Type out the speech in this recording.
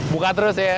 buka terus ya